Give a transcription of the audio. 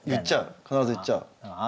必ず言っちゃうの？